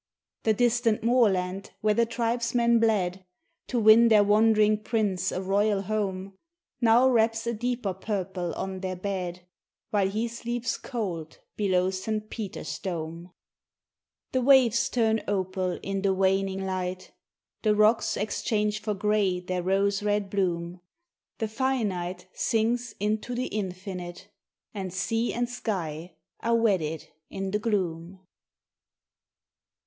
The distant moorland where the tribesmen bled To win their wandering prince a royal home, Now wraps a deeper purple on their bed, While he sleeps cold below St. Peter's dome. The waves turn opal in the waning light, The rocks exchange for grey their rose red bloom, The finite sinks into the infinite, And sea and sky are wedded in the gloom.